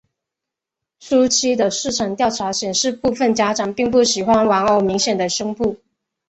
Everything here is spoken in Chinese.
初期的市场调查显示部份家长并不喜欢玩偶明显的胸部。